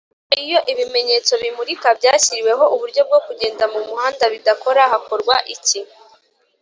iyo ibimenyetso bimurika byashyiriweho uburyo bwo kugenda mumuhanda bidakora hakorwa iki